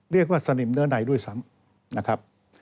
เรียกว่าสนิมเนื้อในด้วยซ้ำ